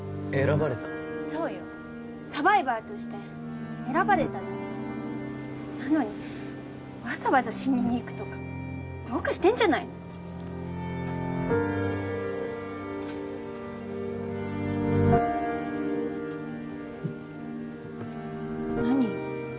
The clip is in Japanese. そうよサバイバーとして選ばれたのよなのにわざわざ死ににいくとかどうかしてんじゃないの何よ？